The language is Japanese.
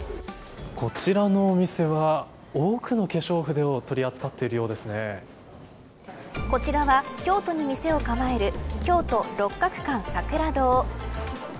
こちらのお店は多くの化粧筆をこちらは京都に店を構える京都六角館さくら堂。